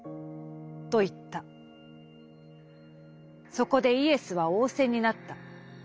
「そこでイエスは仰せになった。